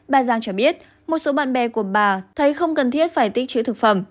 bà zhang cho biết một số bạn bè của bà thấy không cần thiết phải tích trữ thực phẩm